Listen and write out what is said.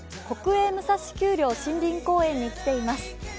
国営武蔵丘陵森林公園に来ています。